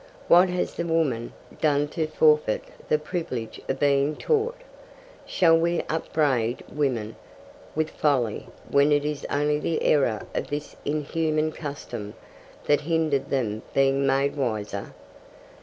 What has the woman done to forfeit the privilege of being taught? Shall we upbraid women with folly when it is only the error of this inhuman custom that hindered them being made wiser?'